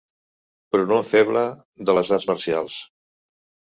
Pronom feble de les arts marcials.